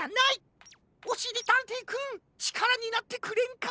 おしりたんていくんちからになってくれんか？